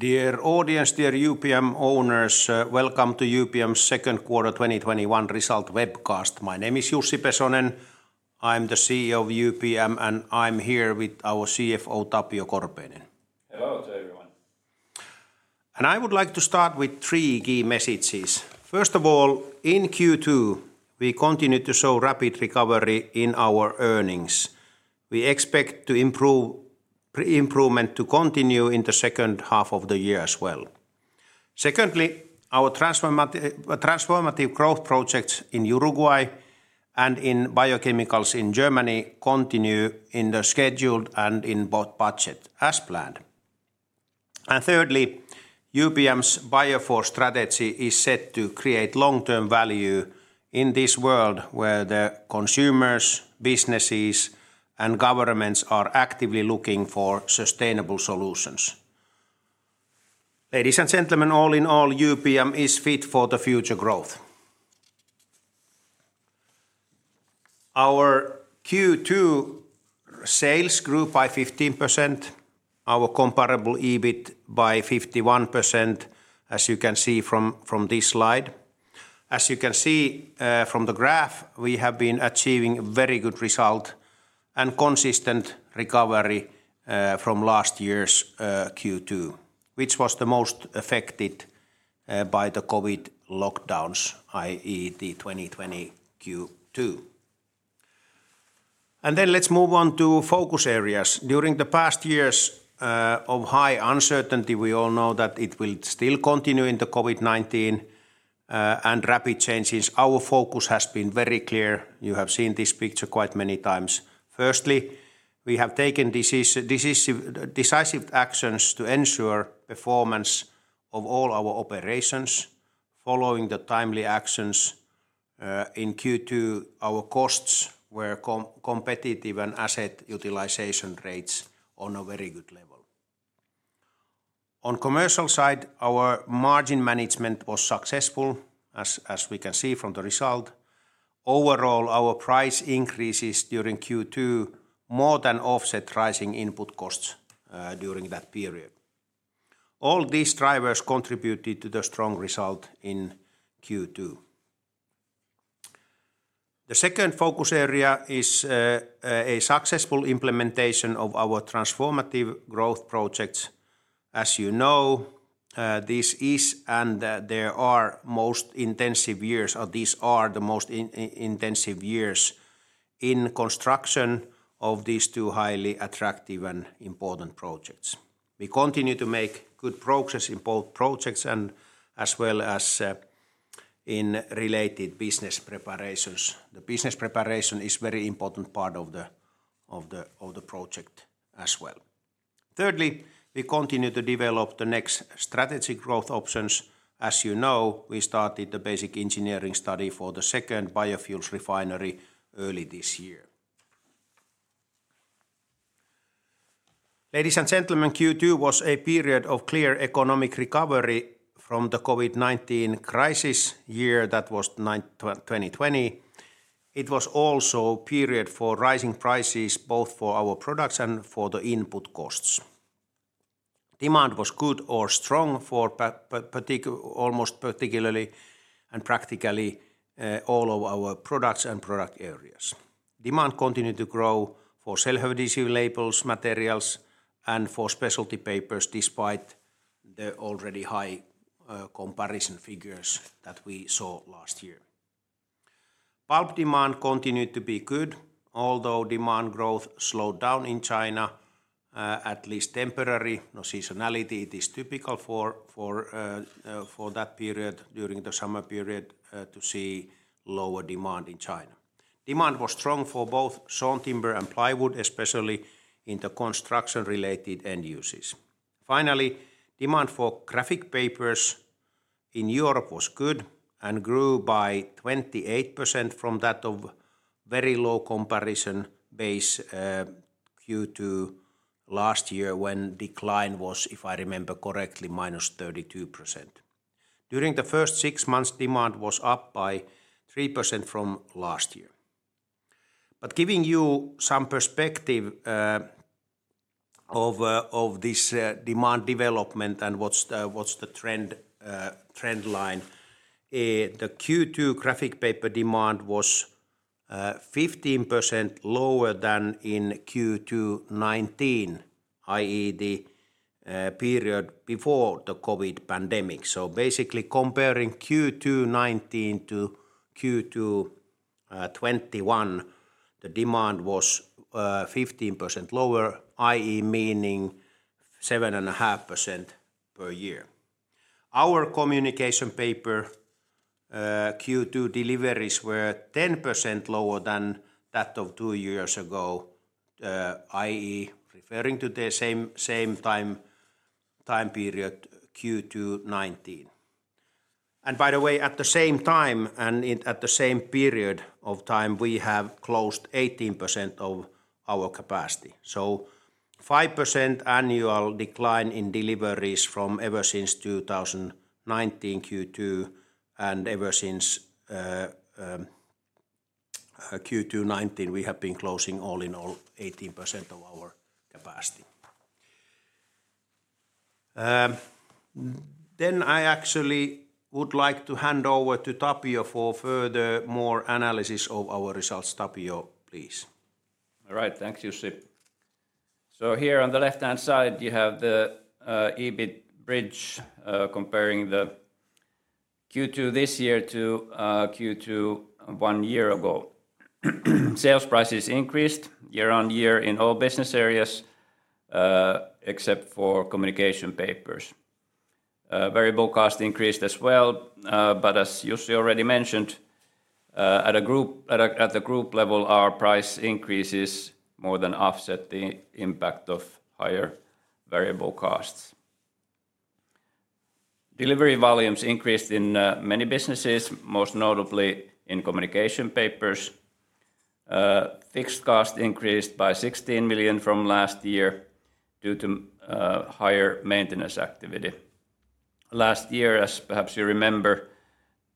Dear audience, dear UPM owners, welcome to UPM's second quarter 2021 result webcast. My name is Jussi Pesonen. I'm the CEO of UPM, and I'm here with our CFO, Tapio Korpeinen. Hello to everyone. I would like to start with three key messages. First of all, in Q2, we continued to show rapid recovery in our earnings. We expect the improvement to continue in the second half of the year as well. Secondly, our transformative growth projects in Uruguay and in biochemicals in Germany continue in the scheduled and in both budget as planned. Thirdly, UPM's Biofore strategy is set to create long-term value in this world where the consumers, businesses, and governments are actively looking for sustainable solutions. Ladies and gentlemen, all in all, UPM is fit for the future growth. Our Q2 sales grew by 15%, our comparable EBIT by 51%, as you can see from this slide. As you can see from the graph, we have been achieving very good result and consistent recovery from last year's Q2, which was the most affected by the COVID lockdowns, i.e., the 2020 Q2. Let's move on to focus areas. During the past years of high uncertainty, we all know that it will still continue in the COVID-19 and rapid changes. Our focus has been very clear. You have seen this picture quite many times. Firstly, we have taken decisive actions to ensure performance of all our operations following the timely actions in Q2. Our costs were competitive and asset utilization rates on a very good level. On commercial side, our margin management was successful, as we can see from the result. Overall, our price increases during Q2 more than offset rising input costs during that period. All these drivers contributed to the strong result in Q2. The second focus area is a successful implementation of our transformative growth projects. As you know, these are the most intensive years in construction of these two highly attractive and important projects. We continue to make good progress in both projects and as well as in related business preparations. The business preparation is very important part of the project as well. Thirdly, we continue to develop the next strategic growth options. As you know, we started the basic engineering study for the second biofuels refinery early this year. Ladies and gentlemen, Q2 was a period of clear economic recovery from the COVID-19 crisis year that was 2020. It was also a period for rising prices, both for our products and for the input costs. Demand was good or strong for almost particularly and practically all of our products and product areas. Demand continued to grow for self-adhesive labels materials and for Specialty Papers, despite the already high comparison figures that we saw last year. Pulp demand continued to be good, although demand growth slowed down in China, at least temporary or seasonality. It is typical for that period during the summer period to see lower demand in China. Demand was strong for both sawn timber and plywood, especially in the construction-related end uses. Finally, demand for graphic papers in Europe was good and grew by 28% from that of very low comparison base Q2 last year when decline was, if I remember correctly, -32%. During the first six months, demand was up by 3% from last year. Giving you some perspective of this demand development and what's the trend line, the Q2 graphic paper demand was 15% lower than in Q2 2019, i.e., the period before the COVID-19 pandemic. Basically comparing Q2 2019 to Q2 2021, the demand was 15% lower, i.e., meaning 7.5% per year. Our communication paper Q2 deliveries were 10% lower than that of two years ago, i.e., referring to the same time period, Q2 2019. By the way, at the same time and at the same period of time, we have closed 18% of our capacity. 5% annual decline in deliveries from ever since 2019 Q2 and ever since Q2 2019, we have been closing all in all 18% of our capacity. I actually would like to hand over to Tapio for furthermore analysis of our results. Tapio, please. All right. Thanks, Jussi. Here on the left-hand side, you have the EBIT bridge comparing the Q2 this year to Q2 one year ago. Sales prices increased year on year in all business areas except for communication papers. Variable cost increased as well, as Jussi already mentioned, at the group level, our price increases more than offset the impact of higher variable costs. Delivery volumes increased in many businesses, most notably in communication papers. Fixed cost increased by 16 million from last year due to higher maintenance activity. Last year, as perhaps you remember,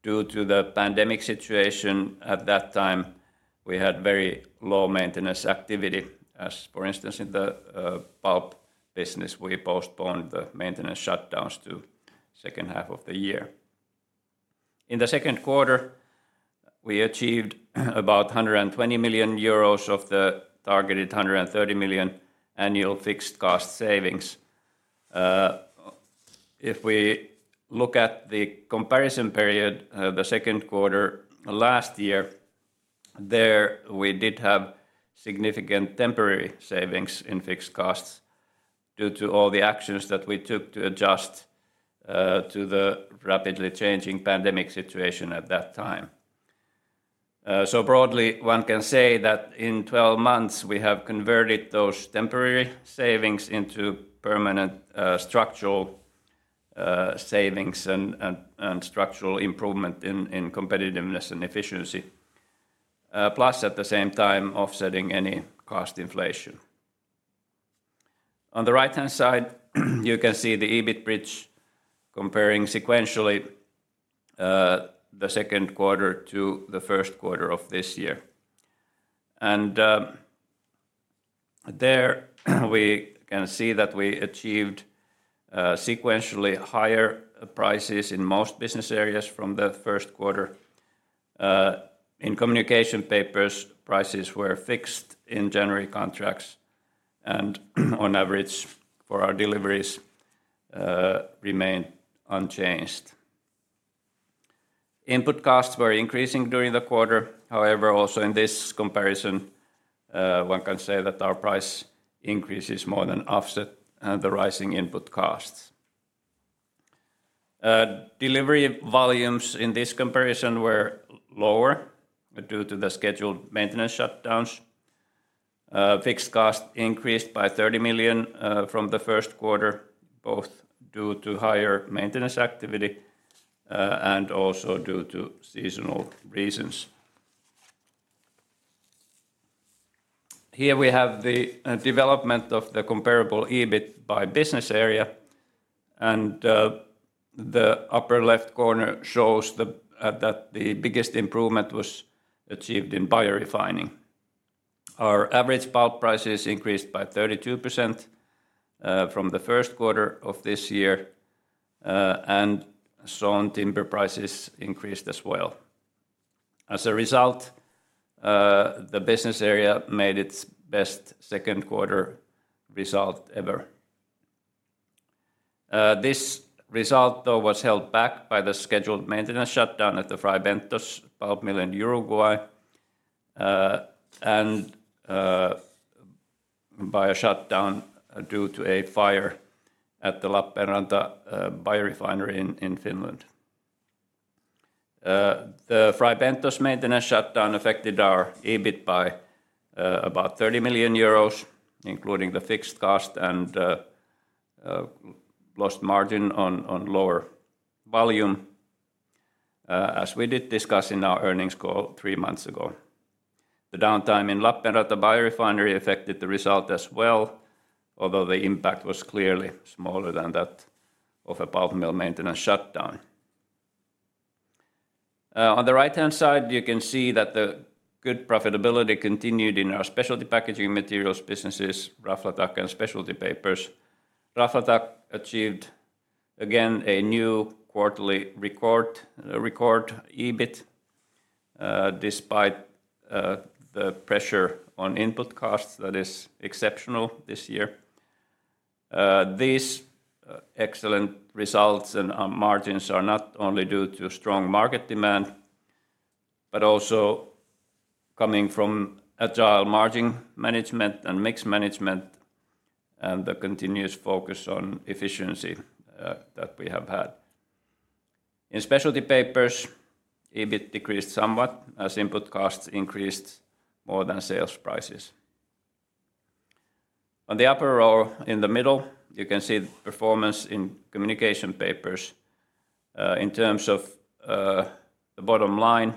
due to the pandemic situation at that time, we had very low maintenance activity. For instance in the pulp business, we postponed the maintenance shutdowns to second half of the year. In the second quarter, we achieved about 120 million euros of the targeted 130 million annual fixed cost savings. We look at the comparison period, the second quarter last year, there we did have significant temporary savings in fixed costs due to all the actions that we took to adjust to the rapidly changing pandemic situation at that time. Broadly, one can say that in 12 months we have converted those temporary savings into permanent structural savings and structural improvement in competitiveness and efficiency. Plus, at the same time, offsetting any cost inflation. On the right-hand side, you can see the EBIT bridge comparing sequentially the second quarter to the first quarter of this year. There we can see that we achieved sequentially higher prices in most business areas from the first quarter. In communication papers, prices were fixed in January contracts and on average for our deliveries remained unchanged. Input costs were increasing during the quarter. Also in this comparison, one can say that our price increases more than offset the rising input costs. Delivery volumes in this comparison were lower due to the scheduled maintenance shutdowns. Fixed cost increased by 30 million from the first quarter, both due to higher maintenance activity, and also due to seasonal reasons. Here we have the development of the comparable EBIT by business area, and the upper left corner shows that the biggest improvement was achieved in biorefining. Our average pulp prices increased by 32% from the first quarter of this year, and sawn timber prices increased as well. As a result, the business area made its best second quarter result ever. This result, though, was held back by the scheduled maintenance shutdown at the Fray Bentos pulp mill in Uruguay, and by a shutdown due to a fire at the Lappeenranta Biorefinery in Finland. The Fray Bentos maintenance shutdown affected our EBIT by about 30 million euros, including the fixed cost and lost margin on lower volume, as we did discuss in our earnings call three months ago. The downtime in Lappeenranta Biorefinery affected the result as well, although the impact was clearly smaller than that of a pulp mill maintenance shutdown. On the right-hand side, you can see that the good profitability continued in our specialty packaging materials businesses, Raflatac and Specialty Papers. Raflatac achieved again a new quarterly record EBIT, despite the pressure on input costs that is exceptional this year. These excellent results and margins are not only due to strong market demand, but also coming from agile margin management and mix management and the continuous focus on efficiency that we have had. In Specialty Papers, EBIT decreased somewhat as input costs increased more than sales prices. On the upper row in the middle, you can see the performance in communication papers. In terms of the bottom line,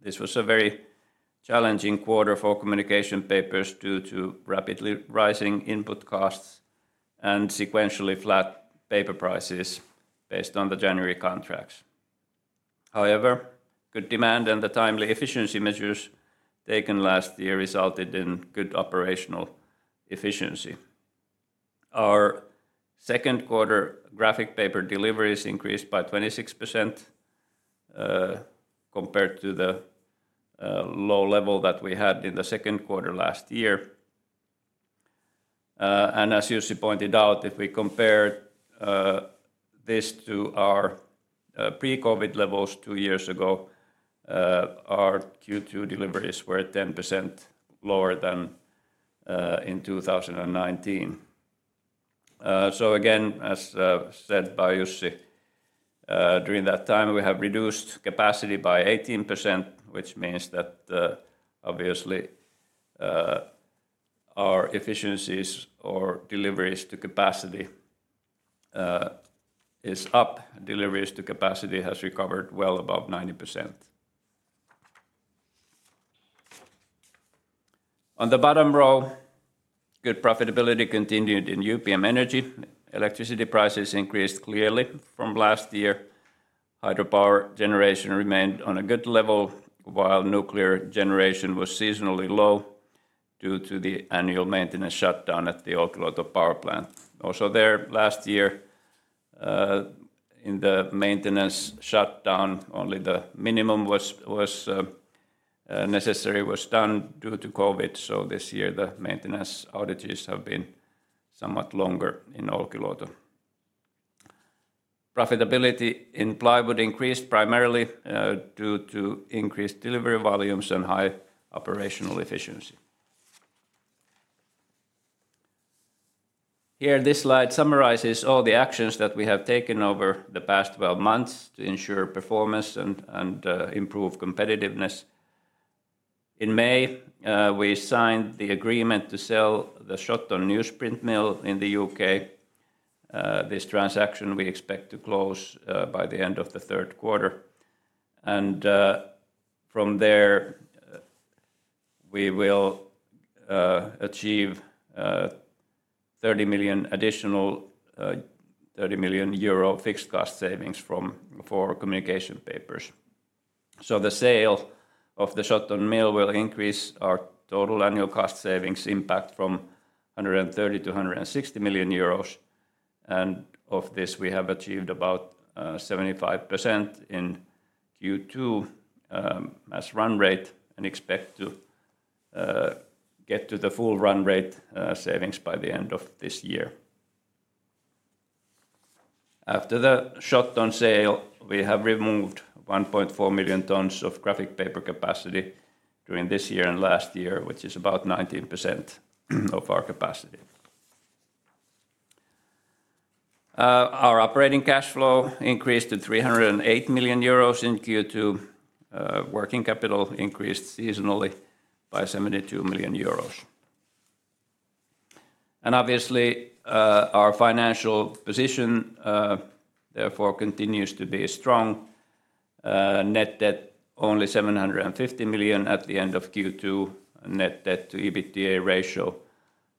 this was a very challenging quarter for communication papers due to rapidly rising input costs. Sequentially flat paper prices based on the January contracts. However, good demand and the timely efficiency measures taken last year resulted in good operational efficiency. Our second quarter graphic paper deliveries increased by 26% compared to the low level that we had in the second quarter last year. As Jussi pointed out, if we compare this to our pre-COVID-19 levels two years ago, our Q2 deliveries were 10% lower than in 2019. Again, as said by Jussi, during that time, we have reduced capacity by 18%, which means that obviously our efficiencies or deliveries to capacity is up. Deliveries to capacity has recovered well above 90%. On the bottom row, good profitability continued in UPM Energy. Electricity prices increased clearly from last year. Hydropower generation remained on a good level, while nuclear generation was seasonally low due to the annual maintenance shutdown at the Olkiluoto Power plant. Also there, last year, in the maintenance shutdown, only the minimum necessary was done due to COVID. This year, the maintenance outages have been somewhat longer in Olkiluoto. Profitability in plywood increased primarily due to increased delivery volumes and high operational efficiency. Here, this slide summarizes all the actions that we have taken over the past 12 months to ensure performance and improve competitiveness. In May, we signed the agreement to sell the Shotton newsprint mill in the U.K. This transaction we expect to close by the end of the third quarter. From there, we will achieve additional 30 million euro fixed cost savings for communication papers. The sale of the Shotton mill will increase our total annual cost savings impact from 130 million euros to 160 million euros. Of this, we have achieved about 75% in Q2 as run rate and expect to get to the full run rate savings by the end of this year. After the Shotton sale, we have removed 1.4 million tons of graphic paper capacity during this year and last year, which is about 19% of our capacity. Our operating cash flow increased to 308 million euros in Q2. Working capital increased seasonally by 72 million euros. Obviously, our financial position, therefore, continues to be strong. Net debt only 750 million at the end of Q2, net debt to EBITDA ratio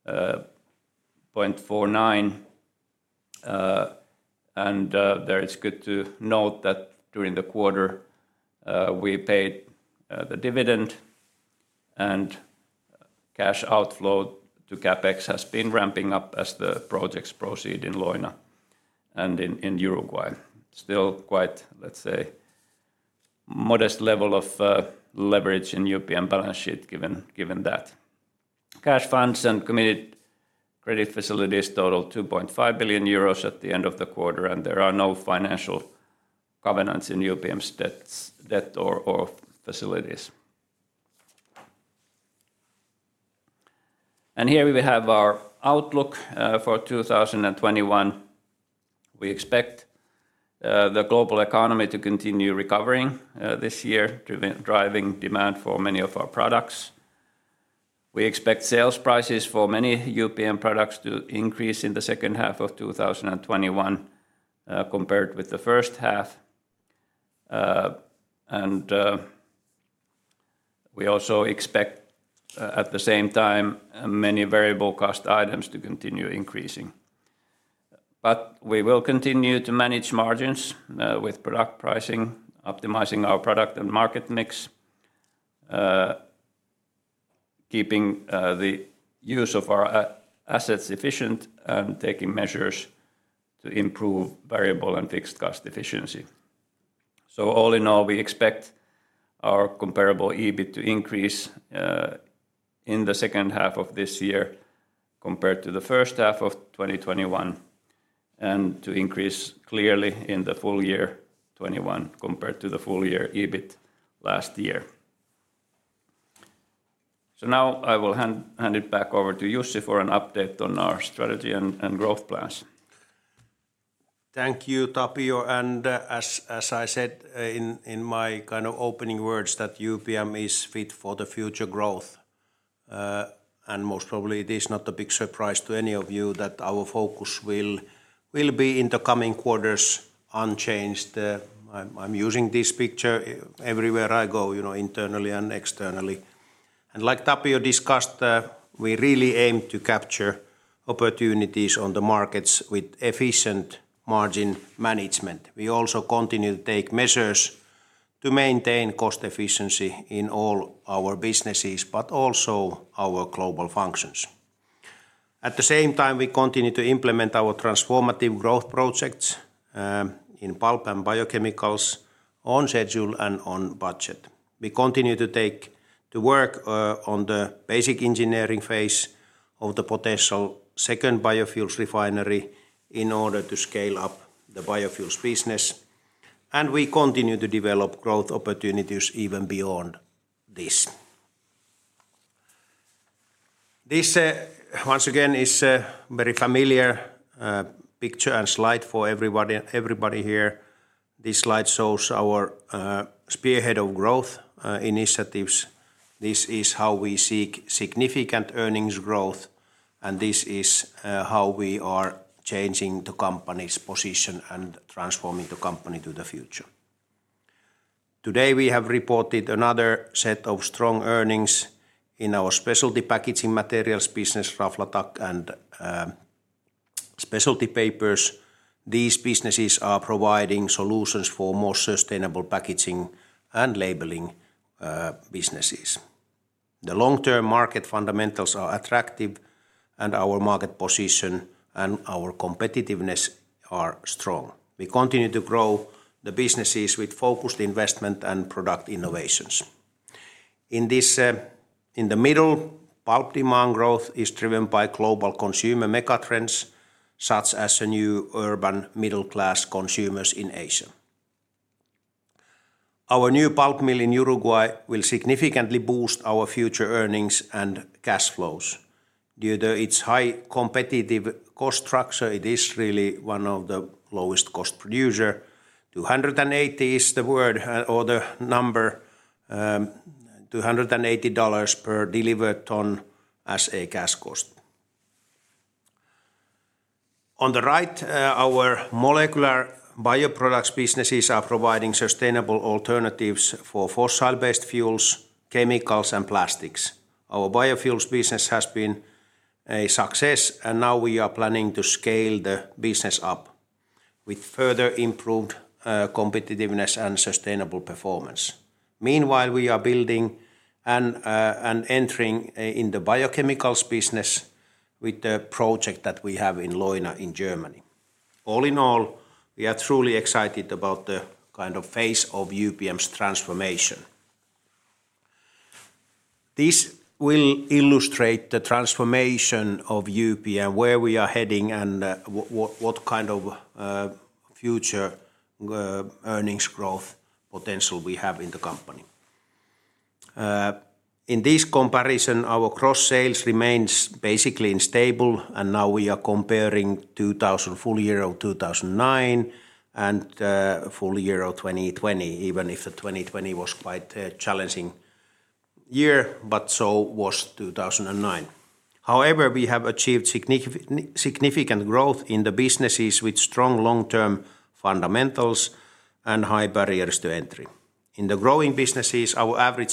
0.49. There it's good to note that during the quarter, we paid the dividend, and cash outflow to CapEx has been ramping up as the projects proceed in Leuna and in Uruguay. Still quite, let's say, modest level of leverage in UPM balance sheet. Cash funds and committed credit facilities totaled 2.5 billion euros at the end of the quarter. There are no financial covenants in UPM's debt or facilities. Here we have our outlook for 2021. We expect the global economy to continue recovering this year, driving demand for many of our products. We expect sales prices for many UPM products to increase in the second half of 2021 compared with the first half. We also expect, at the same time, many variable cost items to continue increasing. We will continue to manage margins with product pricing, optimizing our product and market mix, keeping the use of our assets efficient, and taking measures to improve variable and fixed cost efficiency. All in all, we expect our comparable EBIT to increase in the second half of this year compared to the first half of 2021, and to increase clearly in the full year 2021 compared to the full year EBIT last year. Now, I will hand it back over to Jussi for an update on our strategy and growth plans. Thank you, Tapio. As I said in my kind of opening words, that UPM is fit for the future growth. Most probably it is not a big surprise to any of you that our focus will be in the coming quarters unchanged. I'm using this picture everywhere I go internally and externally. Like Tapio discussed, we really aim to capture opportunities on the markets with efficient margin management. We also continue to take measures to maintain cost efficiency in all our businesses, but also our global functions. At the same time, we continue to implement our transformative growth projects in pulp and biochemicals on schedule and on budget. We continue to work on the basic engineering phase of the potential second biofuels refinery in order to scale up the biofuels business. We continue to develop growth opportunities even beyond this. This, once again, is a very familiar picture and slide for everybody here. This slide shows our spearhead of growth initiatives. This is how we seek significant earnings growth, and this is how we are changing the company's position and transforming the company to the future. Today, we have reported another set of strong earnings in our specialty packaging materials business, Raflatac, and Specialty Papers. These businesses are providing solutions for more sustainable packaging and labeling businesses. The long-term market fundamentals are attractive, and our market position and our competitiveness are strong. We continue to grow the businesses with focused investment and product innovations. In the middle, pulp demand growth is driven by global consumer megatrends, such as the new urban middle-class consumers in Asia. Our new pulp mill in Uruguay will significantly boost our future earnings and cash flows. Due to its high competitive cost structure, it is really one of the lowest cost producer. 280 is the word or the number, $280 per delivered ton as a cash cost. On the right, our molecular bioproducts businesses are providing sustainable alternatives for fossil-based fuels, chemicals, and plastics. Now we are planning to scale the business up with further improved competitiveness and sustainable performance. Meanwhile, we are building and entering in the biochemicals business with the project that we have in Leuna in Germany. All in all, we are truly excited about the phase of UPM's transformation. This will illustrate the transformation of UPM, where we are heading, and what kind of future earnings growth potential we have in the company. I believe this will further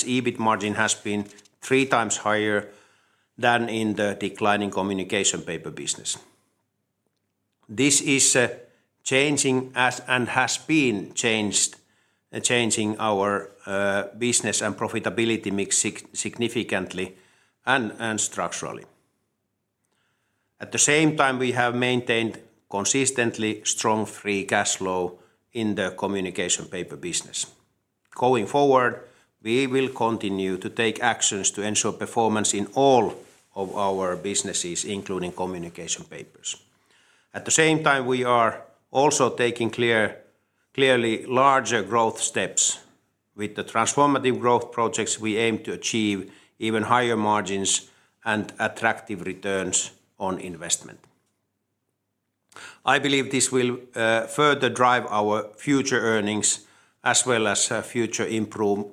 drive our future earnings as well as further improve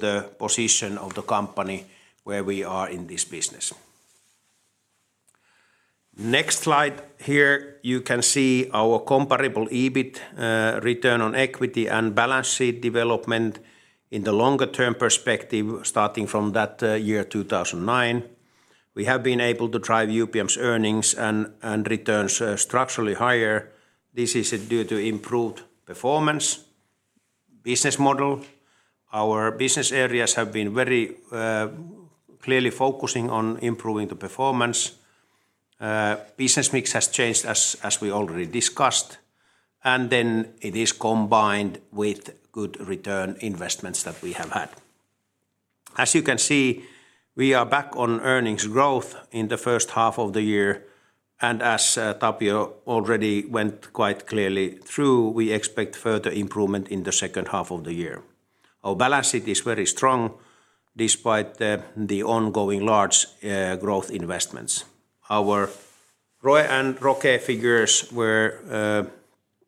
the position of the company where we are in this business. Next slide. Here, you can see our comparable EBIT return on equity and balance sheet development in the longer-term perspective, starting from that year 2009. We have been able to drive UPM's earnings and returns structurally higher. This is due to improved performance, business model. Our business areas have been very clearly focusing on improving the performance. Business mix has changed as we already discussed, and then it is combined with good return investments that we have had. As you can see, we are back on earnings growth in the first half of the year, and as Tapio Korpeinen already went quite clearly through, we expect further improvement in the second half of the year. Our balance sheet is very strong despite the ongoing large growth investments. Our ROE and ROCE figures were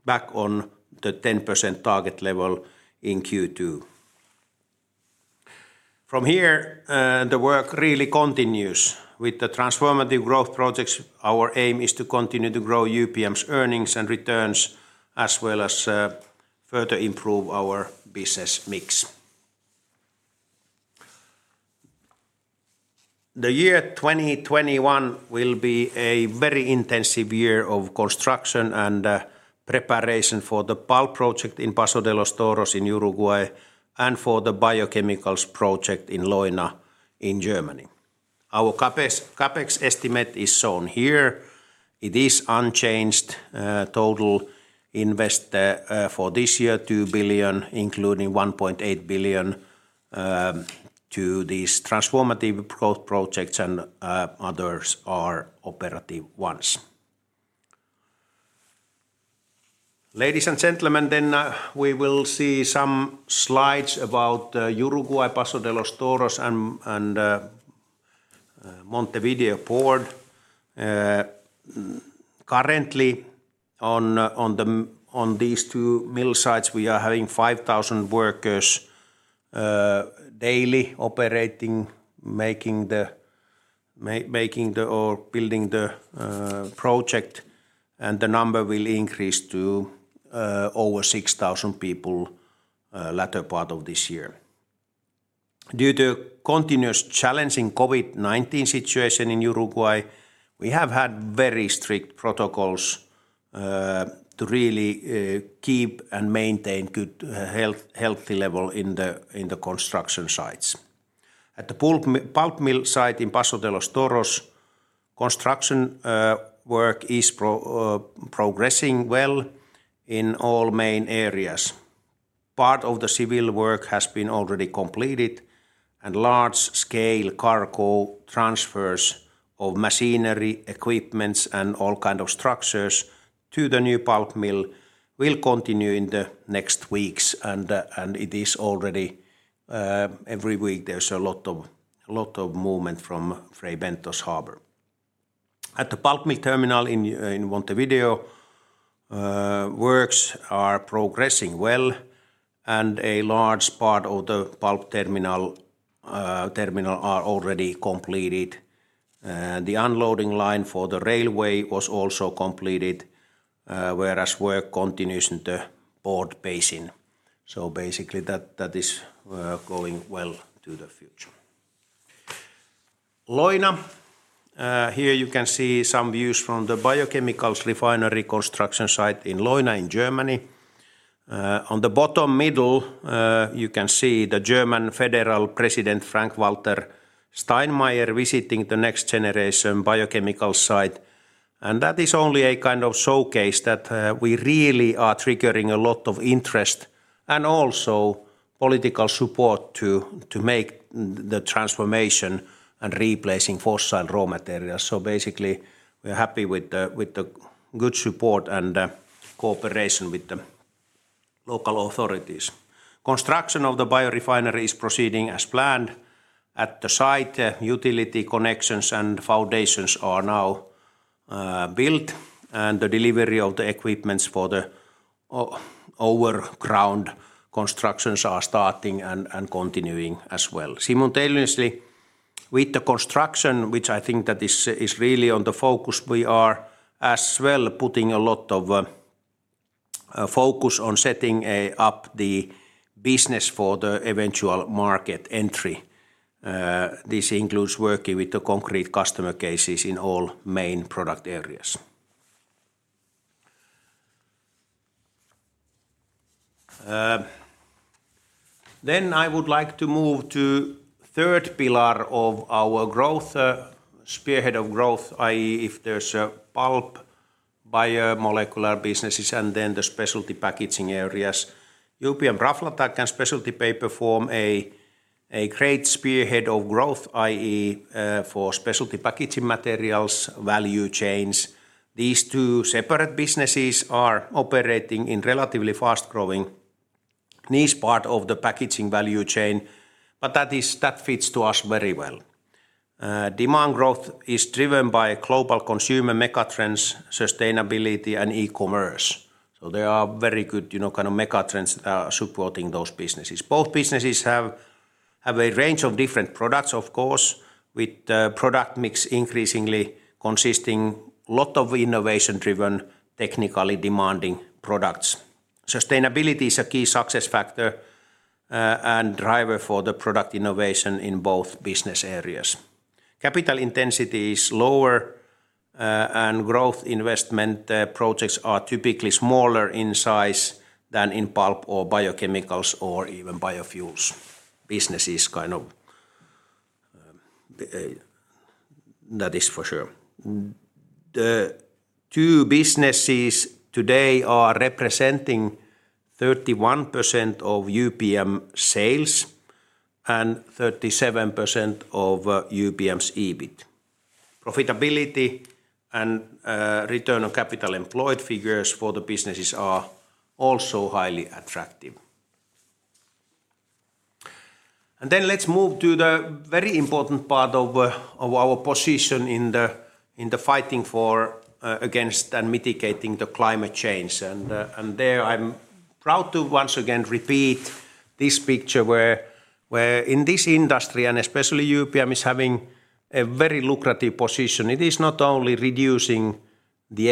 back on the 10% target level in Q2. From here, the work really continues. With the transformative growth projects, our aim is to continue to grow UPM's earnings and returns as well as further improve our business mix. The year 2021 will be a very intensive year of construction and preparation for the pulp project in Paso de los Toros in Uruguay and for the biochemicals project in Leuna in Germany. Our CapEx estimate is shown here. It is unchanged. Total investment for this year, 2 billion, including 1.8 billion to these transformative growth projects, and others are operative ones. Ladies and gentlemen, we will see some slides about Uruguay, Paso de los Toros, and Montevideo Port. Currently on these two mill sites, we are having 5,000 workers daily operating, making or building the project, and the number will increase to over 6,000 people latter part of this year. Due to continuous challenging COVID-19 situation in Uruguay, we have had very strict protocols to really keep and maintain good healthy level in the construction sites. At the pulp mill site in Paso de los Toros, construction work is progressing well in all main areas. Part of the civil work has been already completed, and large-scale cargo transfers of machinery, equipments, and all kind of structures to the new pulp mill will continue in the next weeks. It is already every week there's a lot of movement from Fray Bentos harbor. At the pulp mill terminal in Montevideo, works are progressing well and a large part of the pulp terminal are already completed. The unloading line for the railway was also completed, whereas work continues in the port basin. Basically that is going well to the future. Leuna. Here you can see some views from the biochemical refinery construction site in Leuna in Germany. On the bottom middle, you can see the German Federal President Frank-Walter Steinmeier visiting the next generation biochemical site, and that is only a kind of showcase that we really are triggering a lot of interest and also political support to make the transformation and replacing fossil raw materials. Basically, we are happy with the good support and cooperation with the local authorities. Construction of the biorefinery is proceeding as planned. At the site, utility connections and foundations are now built, and the delivery of the equipment for the overground constructions are starting and continuing as well. Simultaneously with the construction, which I think that is really on the focus, we are as well putting a lot of focus on setting up the business for the eventual market entry. This includes working with the concrete customer cases in all main product areas. I would like to move to third pillar of our growth, spearhead of growth, i.e., if there's a pulp, biomolecular businesses, and then the specialty packaging areas. UPM Raflatac and Specialty Papers form a great spearhead of growth, i.e., for specialty packaging materials value chains. These two separate businesses are operating in relatively fast-growing niche part of the packaging value chain, that fits to us very well. Demand growth is driven by global consumer megatrends, sustainability, and e-commerce. They are very good kind of megatrends supporting those businesses. Both businesses have a range of different products, of course, with product mix increasingly consisting a lot of innovation-driven, technically demanding products. Sustainability is a key success factor and driver for the product innovation in both business areas. Capital intensity is lower, and growth investment projects are typically smaller in size than in pulp or biochemicals or even biofuels businesses kind of. That is for sure. The two businesses today are representing 31% of UPM sales and 37% of UPM's EBIT. Profitability and return on capital employed figures for the businesses are also highly attractive. Let's move to the very important part of our position in the fighting against and mitigating the climate change. There I'm proud to once again repeat this picture where in this industry, especially UPM, is having a very lucrative position. It is not only reducing the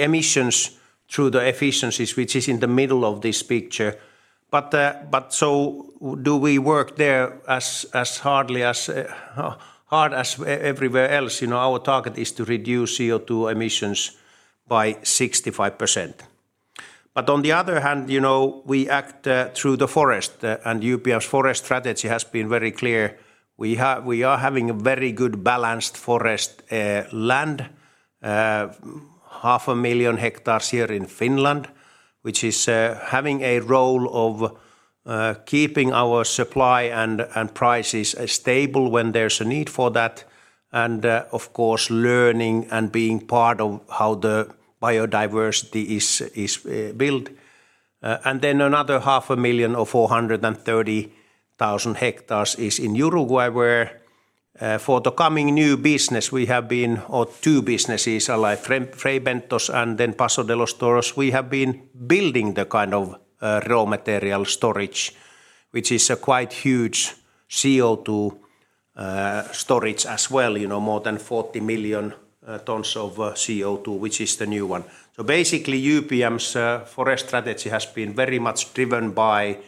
emissions through the efficiencies, which is in the middle of this picture. Do we work there as hard as everywhere else? Our target is to reduce CO2 emissions by 65%. On the other hand, we act through the forest, and UPM's forest strategy has been very clear. We are having a very good balanced forest land. 0.5 million hectares here in Finland, which is having a role of keeping our supply and prices stable when there's a need for that. Of course, learning and being part of how the biodiversity is built. Then another half a million, or 430,000 hectares, is in Uruguay, where for the coming new business we have been, or two businesses alike, Fray Bentos and then Paso de los Toros, we have been building the kind of raw material storage, which is a quite huge CO2 storage as well. More than 40 million tons of CO2, which is the new one. Basically, UPM's forest strategy has been very much driven by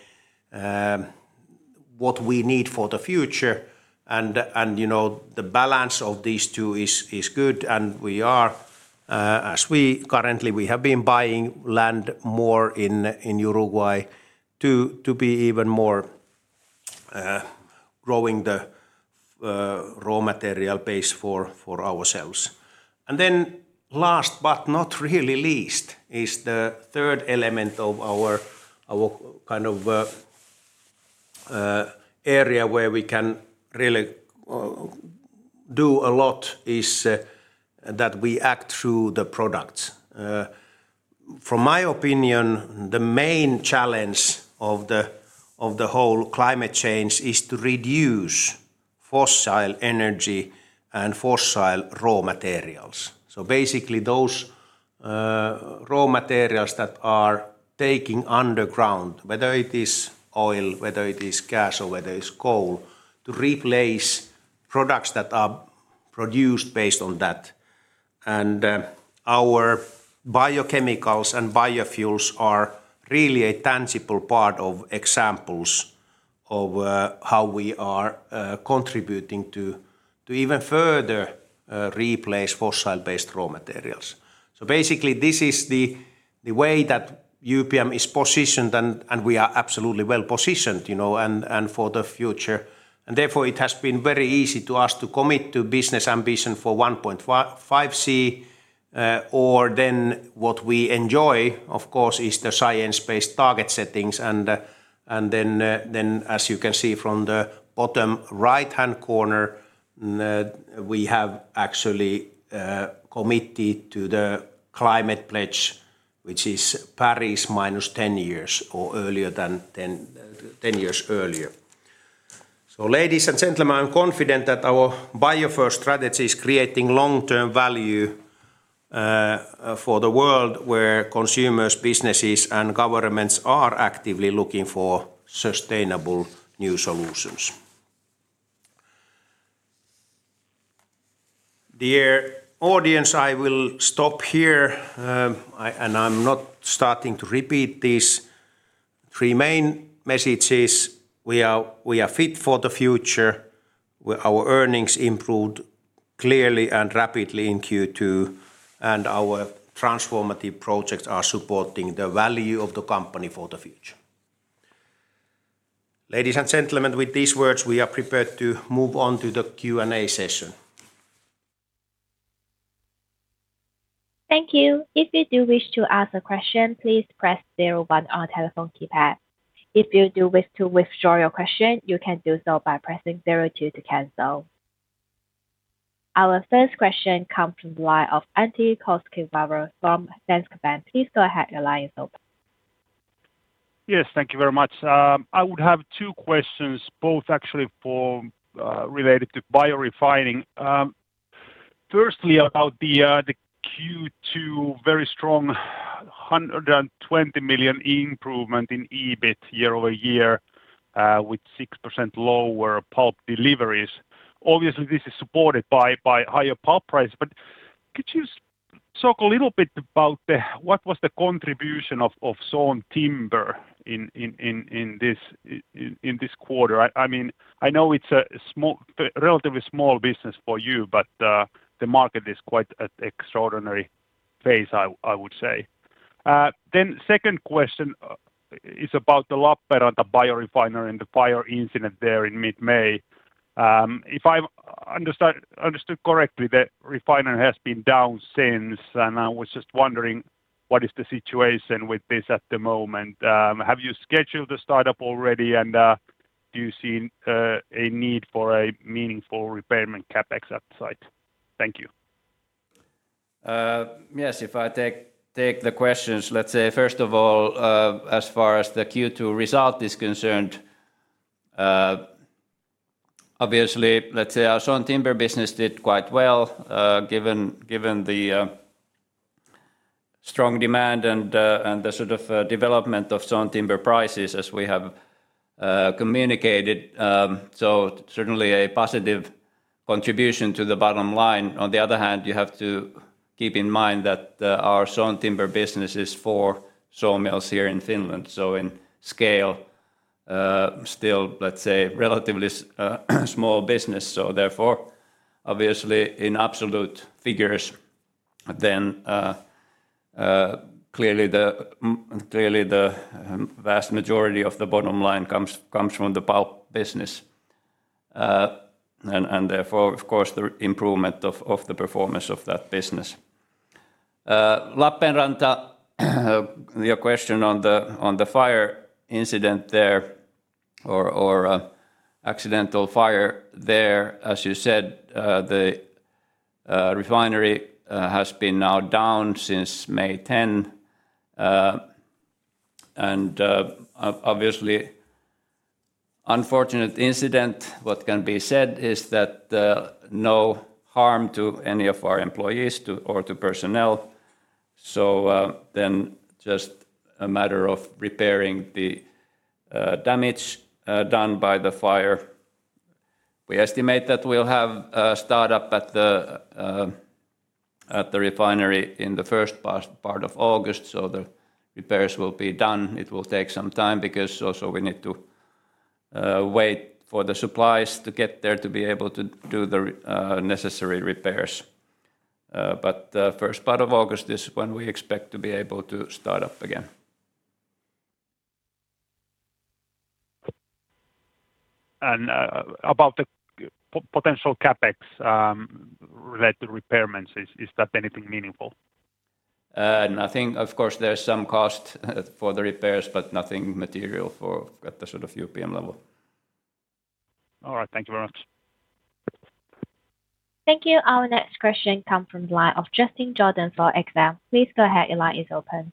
what we need for the future and the balance of these two is good. We are, as we currently, we have been buying land more in Uruguay to be even more growing the raw material base for ourselves. Last, but not really least, is the third element of our kind of area where we can really do a lot, is that we act through the products. From my opinion, the main challenge of the whole climate change is to reduce fossil energy and fossil raw materials. Basically those raw materials that are taken underground, whether it is oil, whether it is gas, or whether it's coal, to replace products that are produced based on that. Our biochemicals and biofuels are really a tangible part of examples of how we are contributing to even further replace fossil-based raw materials. Basically this is the way that UPM is positioned, and we are absolutely well positioned, and for the future. Therefore, it has been very easy to us to commit to Business Ambition for 1.5C. What we enjoy, of course, is the science-based target settings. As you can see from the bottom right-hand corner, we have actually committed to the Climate Pledge, which is Paris -10 years or 10 years earlier. Ladies and gentlemen, I'm confident that our Biofore strategy is creating long-term value for the world where consumers, businesses, and governments are actively looking for sustainable new solutions. Dear audience, I will stop here. I'm not starting to repeat these three main messages. We are fit for the future, our earnings improved clearly and rapidly in Q2, and our transformative projects are supporting the value of the company for the future. Ladies and gentlemen, with these words, we are prepared to move on to the Q&A session. Thank you. If you do wish to ask a question, please press zero one on telephone keypad. If you do wish to withdraw your question, you can do so by pressing 02 to cancel. Our first question comes from the line of Antti Koskivuori from Danske Bank. Please go ahead. Your line is open. Yes, thank you very much. I would have two questions, both actually related to biorefining. Firstly, about the Q2 very strong 120 million improvement in EBIT year-over-year, with 6% lower pulp deliveries. Obviously, this is supported by higher pulp prices. Could you talk a little bit about what was the contribution of sawn timber in this quarter? I know it's a relatively small business for you, the market is quite at extraordinary phase, I would say. Second question is about the Lappeenranta biorefinery and the fire incident there in mid-May. If I understood correctly, the refinery has been down since, I was just wondering, what is the situation with this at the moment? Have you scheduled the startup already? Do you see a need for a meaningful repair and CapEx at site? Thank you. Yes, if I take the questions, first of all, as far as the Q2 result is concerned, obviously, our sawn timber business did quite well given the strong demand and the sort of development of sawn timber prices as we have communicated. Certainly a positive contribution to the bottom line. On the other hand, you have to keep in mind that our sawn timber business is for sawmills here in Finland. In scale, still, relatively small business. Obviously in absolute figures, clearly the vast majority of the bottom line comes from the pulp business. Of course, the improvement of the performance of that business. Leuna, your question on the fire incident there or accidental fire there, as you said, the refinery has been now down since May 10. Obviously unfortunate incident. What can be said is that no harm to any of our employees or to personnel. Just a matter of repairing the damage done by the fire. We estimate that we'll have a start-up at the refinery in the first part of August. The repairs will be done. It will take some time because also we need to wait for the supplies to get there to be able to do the necessary repairs. The first part of August is when we expect to be able to start up again. About the potential CapEx related to repairments, is that anything meaningful? Nothing. Of course, there's some cost for the repairs, but nothing material at the sort of UPM level. All right. Thank you very much. Thank you. Our next question come from the line of Justin Jordan for Exane. Please go ahead. Your line is open.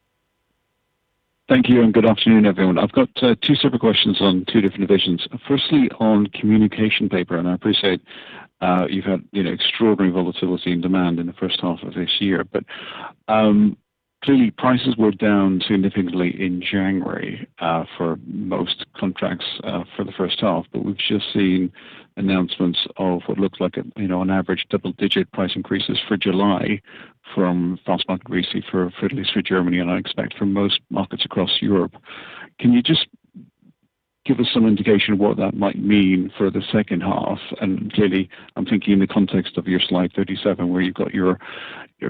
Thank you, good afternoon, everyone. I've got two separate questions on two different divisions. First, on communication paper, I appreciate you've had extraordinary volatility in demand in the first half of this year. Clearly prices were down significantly in January for most contracts for the first half. We've just seen announcements of what looks like an average double-digit price increases for July from Fastmarkets RISI for at least for Germany, and I expect for most markets across Europe. Can you just give us some indication of what that might mean for the second half? Clearly, I'm thinking in the context of your slide 37, where you've got your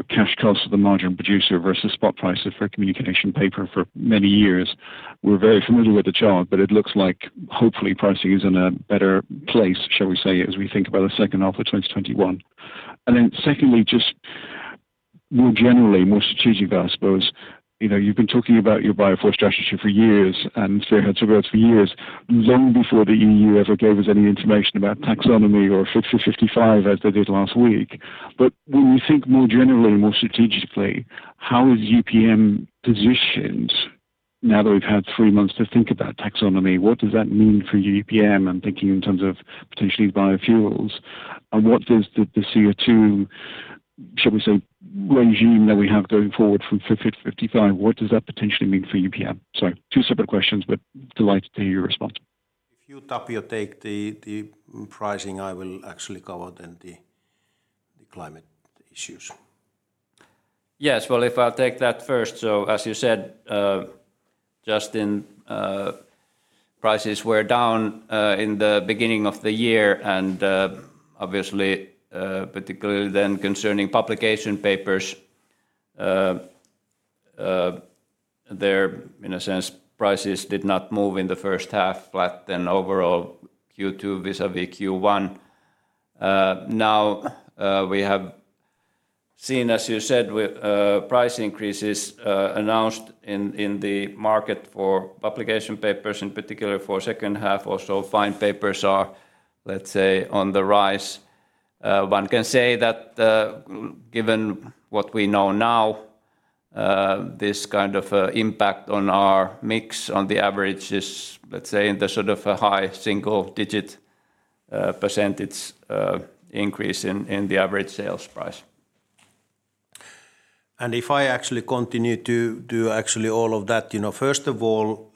cash cost of the margin producer versus spot prices for communication paper for many years. We're very familiar with the chart, but it looks like hopefully pricing is in a better place, shall we say, as we think about the second half of 2021. Secondly, just more generally, more strategically, I suppose, you've been talking about your Biofore strategy for years and fair heads over for years, long before the EU ever gave us any information about taxonomy or Fit for 55 as they did last week. When we think more generally, more strategically, how is UPM positioned now that we've had three months to think about taxonomy? What does that mean for UPM? I'm thinking in terms of potentially biofuels. What does the CO2, shall we say, regime that we have going forward from Fit for 55, what does that potentially mean for UPM? Sorry, two separate questions, but delighted to hear your response. If you, Tapio, take the pricing, I will actually cover the climate issues. Yes. Well, if I take that first. As you said, Justin, prices were down in the beginning of the year, and obviously, particularly then concerning publication papers, there, in a sense, prices did not move in the first half, but then overall Q2 vis-à-vis Q1. Now, we have seen, as you said, with price increases announced in the market for publication papers, in particular for second half. Also fine papers are, let's say, on the rise. One can say that given what we know now, this kind of impact on our mix on the average is, let's say, in the sort of a high single-digit percentage increase in the average sales price. If I actually continue to do actually all of that, first of all,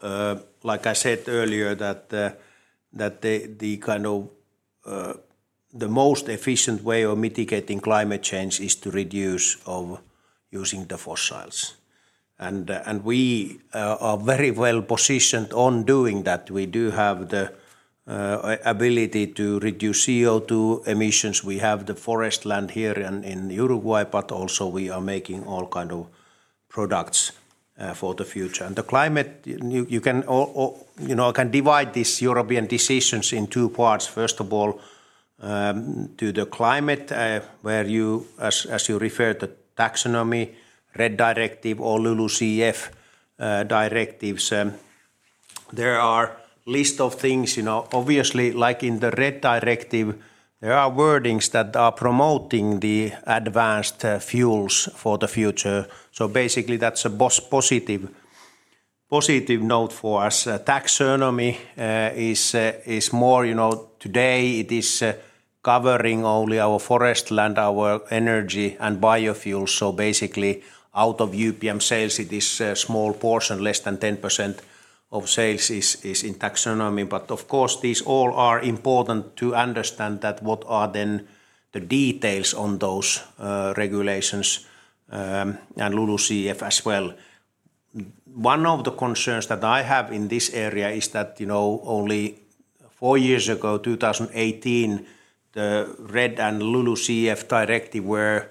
like I said earlier, that the most efficient way of mitigating climate change is to reduce of using the fossils. We are very well-positioned on doing that. We do have the ability to reduce CO2 emissions. We have the forest land here in Uruguay, but also we are making all kind of products for the future. The climate, you can divide these European decisions in two parts. First of all, to the climate, where you, as you referred to taxonomy, RED Directive or LULUCF Directive. There are list of things. Obviously, like in the RED Directive, there are wordings that are promoting the advanced fuels for the future. That's a positive note for us. Taxonomy today is covering only our forest land, our energy, and biofuels. Out of UPM sales, it is a small portion, less than 10% of sales is in taxonomy. Of course, these all are important to understand that what are then the details on those regulations, and LULUCF as well. One of the concerns that I have in this area is that only four years ago, 2018, the RED and LULUCF Directive were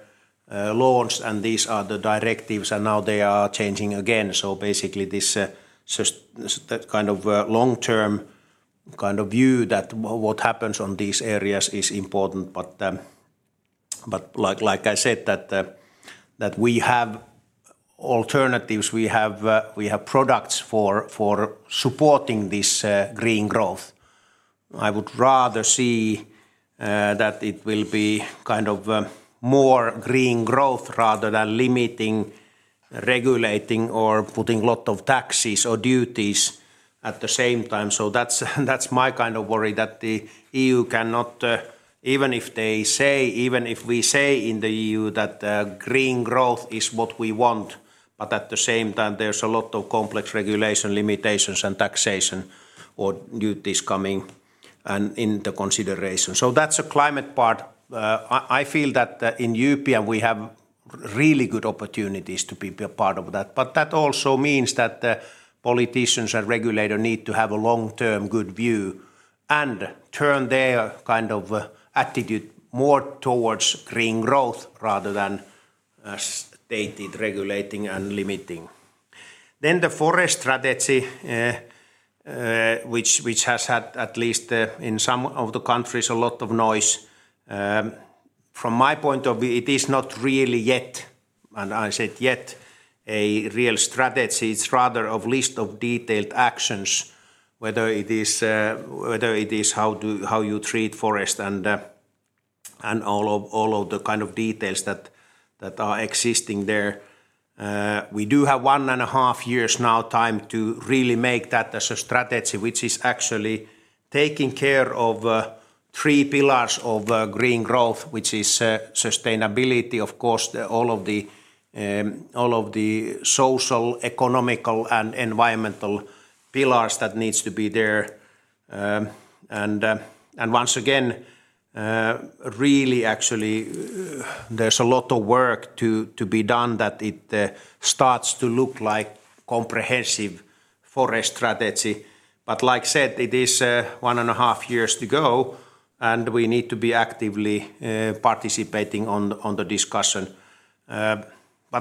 launched, and these are the directives, and now they are changing again. That long-term view that what happens on these areas is important. Like I said, that we have alternatives, we have products for supporting this green growth. I would rather see that it will be more green growth rather than limiting, regulating, or putting a lot of taxes or duties at the same time. That's my worry, that the EU cannot, even if we say in the EU that green growth is what we want, but at the same time, there's a lot of complex regulation limitations and taxation or duties coming and in the consideration. That's the climate part. I feel that in UPM, we have really good opportunities to be a part of that. That also means that the politicians and regulator need to have a long-term good view and turn their attitude more towards green growth rather than, as stated, regulating and limiting. The forest strategy, which has had, at least in some of the countries, a lot of noise. From my point of view, it is not really yet, and I said yet, a real strategy. It's rather a list of detailed actions, whether it is how you treat forest and all of the kind of details that are existing there. We do have one and a half years now time to really make that as a strategy, which is actually taking care of three pillars of green growth, which is sustainability, of course, all of the social, economic, and environmental pillars that needs to be there. Once again, really actually, there's a lot of work to be done that it starts to look like comprehensive forest strategy. Like I said, it is one and a half years to go, and we need to be actively participating on the discussion.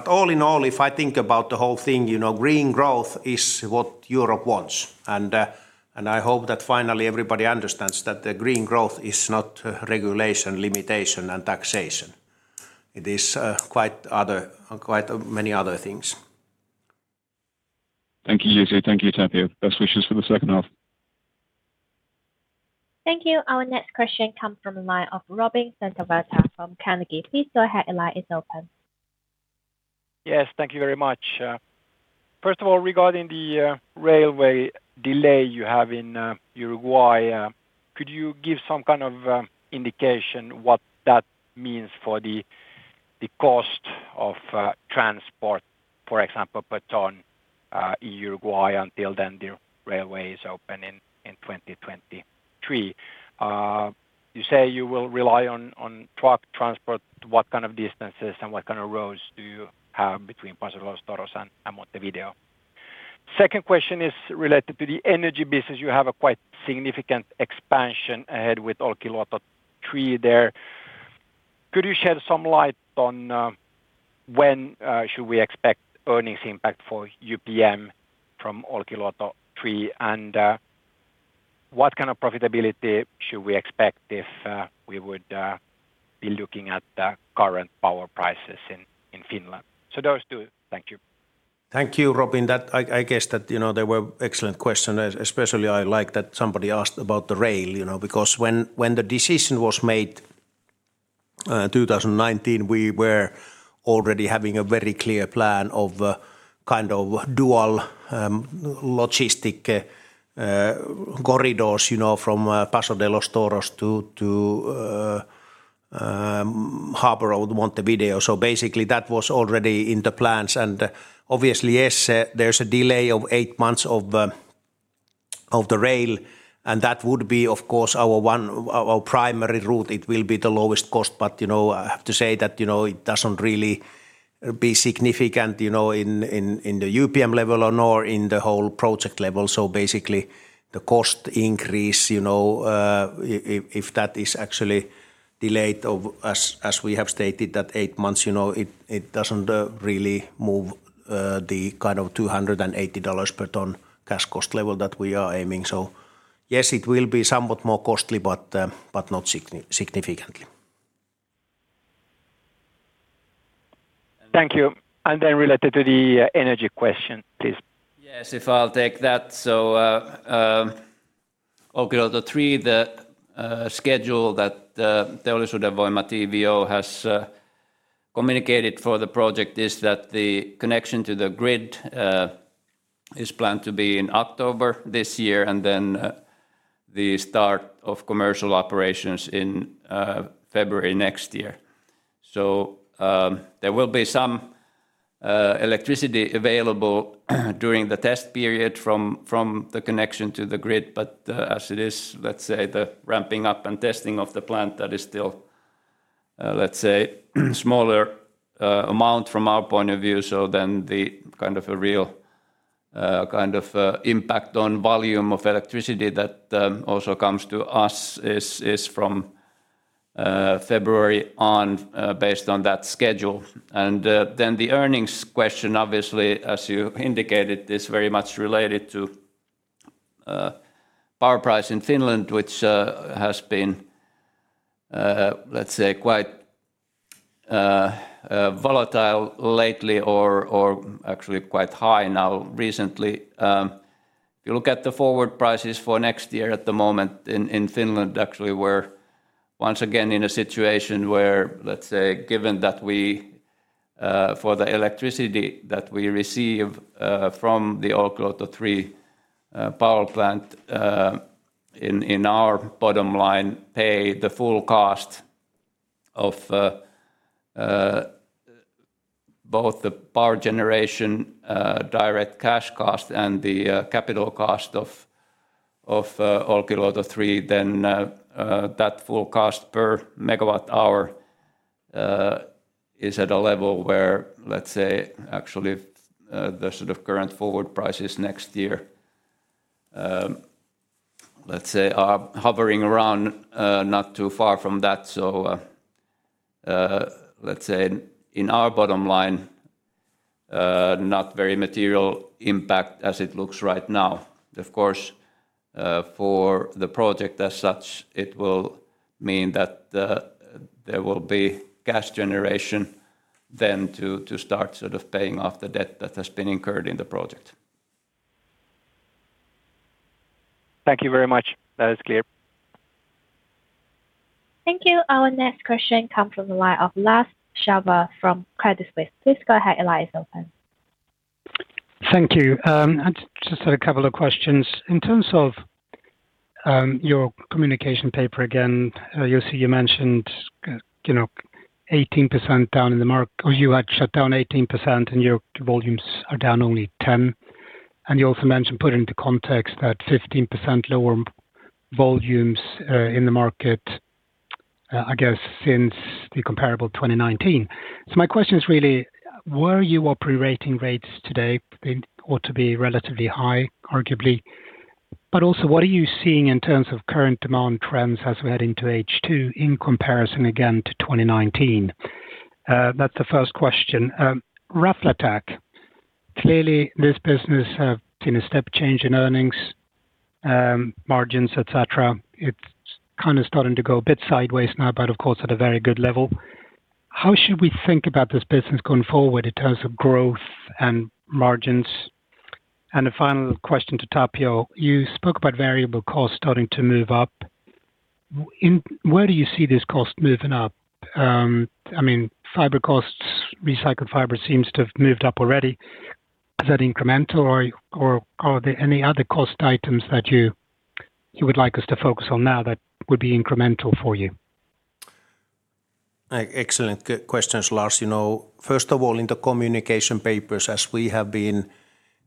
All in all, if I think about the whole thing, green growth is what Europe wants. I hope that finally everybody understands that the green growth is not regulation, limitation, and taxation. It is quite many other things. Thank you, Jussi. Thank you, Tapio. Best wishes for the second half. Thank you. Our next question comes from the line of Robin Santavirta from Carnegie. Please go ahead, your line is open. Yes, thank you very much. First of all, regarding the railway delay you have in Uruguay, could you give some kind of indication what that means for the cost of transport, for example, per ton in Uruguay until then the railway is open in 2023? You say you will rely on truck transport. What kind of distances and what kind of roads do you have between Paso de los Toros and Montevideo? Second question is related to the energy business. You have a quite significant expansion ahead with Olkiluoto 3 there. Could you shed some light on when should we expect earnings impact for UPM from Olkiluoto 3, and what kind of profitability should we expect if we would be looking at the current power prices in Finland? Those two. Thank you. Thank you, Robin. I guess that they were excellent questions. Especially I like that somebody asked about the rail, because when the decision was made, 2019, we were already having a very clear plan of dual logistic corridors from Paso de los Toros to harbor of Montevideo. Basically, that was already in the plans. Obviously, yes, there's a delay of eight months of the rail, and that would be, of course, our primary route. It will be the lowest cost. I have to say that it doesn't really be significant in the UPM level or nor in the whole project level. Basically, the cost increase, if that is actually delayed, as we have stated, that eight months, it doesn't really move the $280 per ton cash cost level that we are aiming. Yes, it will be somewhat more costly, but not significantly. Thank you. Then related to the energy question, please. Yes, I'll take that. Olkiluoto 3, the schedule that Teollisuuden Voima, TVO, has communicated for the project is that the connection to the grid is planned to be in October this year, and then the start of commercial operations in February next year. There will be some electricity available during the test period from the connection to the grid. As it is, let's say, the ramping up and testing of the plant that is still, let's say, smaller amount from our point of view. The real impact on volume of electricity that also comes to us is from February on based on that schedule. The earnings question, obviously, as you indicated, is very much related to power price in Finland, which has been, let's say, quite volatile lately or actually quite high now recently. If you look at the forward prices for next year at the moment in Finland, actually we're once again in a situation where, let's say, given that for the electricity that we receive from the Olkiluoto 3 Power Plant in our bottom line pay the full cost of both the power generation direct cash cost and the capital cost of Olkiluoto 3, then that full cost per megawatt hour is at a level where, let's say, actually the sort of current forward prices next year, let's say, are hovering around not too far from that. Let's say in our bottom line, not very material impact as it looks right now. Of course, for the project as such, it will mean that there will be gas generation then to start sort of paying off the debt that has been incurred in the project. Thank you very much. That is clear. Thank you. Our next question comes from the line of Lars Kjellberg from Credit Suisse. Please go ahead. Thank you. I just had a couple of questions. In terms of your Communication Paper, again, Jussi, you mentioned 18% down in the mark, or you had shut down 18% and your volumes are down only 10%. You also mentioned put into context that 15% lower volumes are in the market, I guess since the comparable 2019. My question is really where your operating rates today ought to be relatively high, arguably. Also what are you seeing in terms of current demand trends as we're heading into H2 in comparison again to 2019? That's the first question. Raflatac, clearly this business have seen a step change in earnings, margins, et cetera. It's kind of starting to go a bit sideways now, but of course at a very good level. How should we think about this business going forward in terms of growth and margins? A final question to Tapio. You spoke about variable costs starting to move up. Where do you see this cost moving up? I mean, fiber costs, recycled fiber seems to have moved up already. Is that incremental or are there any other cost items that you would like us to focus on now that would be incremental for you? Excellent questions, Lars. First of all, in the Communication Papers, as we have been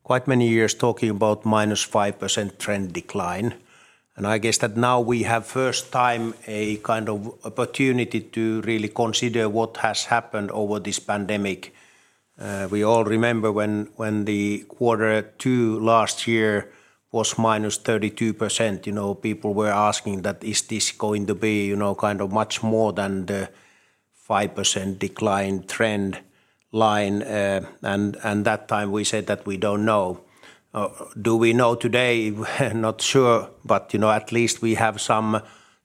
quite many years talking about minus 5% trend decline. I guess that now we have first time a kind of opportunity to really consider what has happened over this pandemic. We all remember when the quarter two last year was -32%, people were asking that is this going to be much more than the 5% decline trend line. That time we said that we don't know. Do we know today? Not sure, but at least we have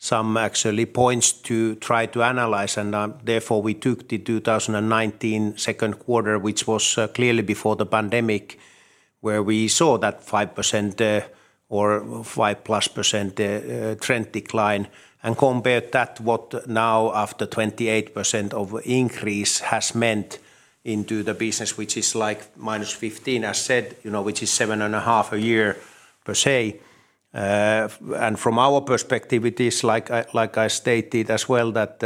some actually points to try to analyze. Therefore, we took the 2019 2Q, which was clearly before the pandemic, where we saw that 5% or 5% +trend decline. Compared that what now after 28% of increase has meant into the business, which is like -15, as said, which is 7.5 a year per se. From our perspective, it is like I stated as well that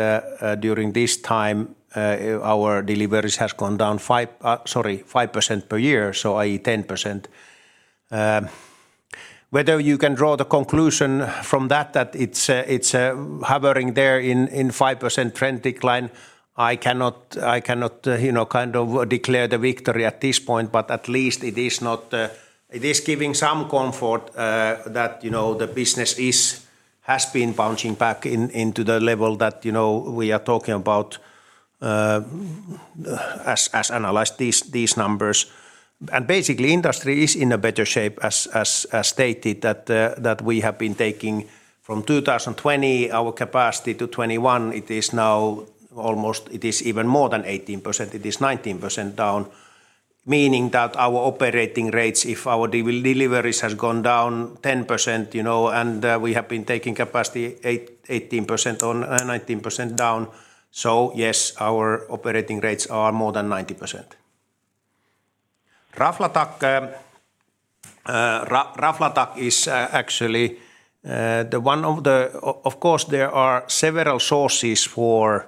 during this time our deliveries has gone down 5% per year, so i.e. 10%. Whether you can draw the conclusion from that it's hovering there in 5% trend decline, I cannot declare the victory at this point, but at least it is giving some comfort that the business has been bouncing back into the level that we are talking about as analyzed these numbers. Basically, industry is in a better shape, as stated, that we have been taking from 2020 our capacity to 2021, it is now even more than 18%, it is 19% down, meaning that our operating rates, if our deliveries has gone down 10% and we have been taking capacity 19% down, so yes, our operating rates are more than 90%. Raflatac. Of course, there are several sources for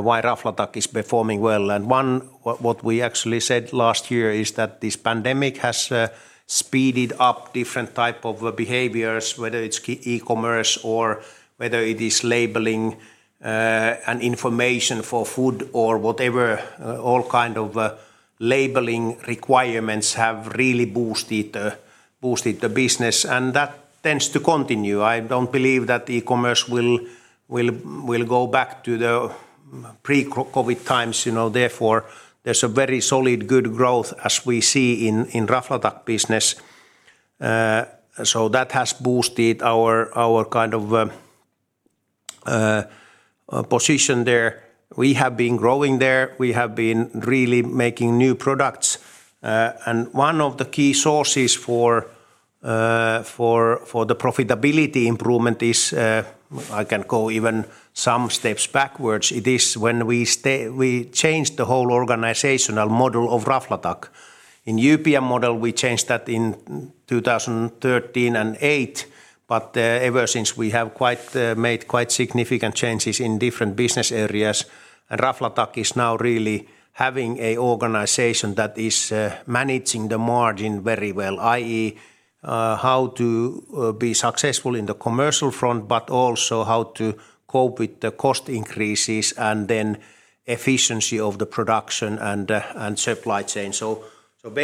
why Raflatac is performing well, and one, what we actually said last year is that this pandemic has speeded up different type of behaviors, whether it's e-commerce or whether it is labeling and information for food or whatever, all kind of labeling requirements have really boosted the business, and that tends to continue. I don't believe that e-commerce will go back to the pre-COVID times, therefore there's a very solid, good growth as we see in Raflatac business. That has boosted our position there. We have been growing there. We have been really making new products. One of the key sources for the profitability improvement is, I can go even some steps backwards, it is when we changed the whole organizational model of Raflatac. In UPM model, we changed that in 2013 and 2008, but ever since we have made quite significant changes in different business areas. Raflatac is now really having an organization that is managing the margin very well, i.e., how to be successful in the commercial front, but also how to cope with the cost increases and then efficiency of the production and supply chain.